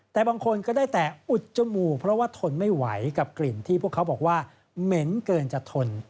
แต่บางคนก็ได้แต่อุดจมูกเพราะว่าทนไม่ไหวกับกลิ่นที่พวกเขาบอกว่าเหม็นเกินจะทน